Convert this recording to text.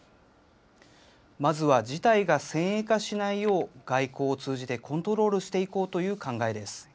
まずは事態が先鋭化しないよう、外交を通じてコントロールしていこうという考えです。